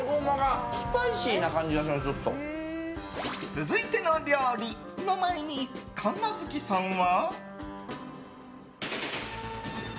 続いての料理の前に神奈月さんは。